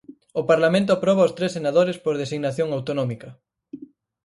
O Parlamento aproba os tres senadores por designación autonómica.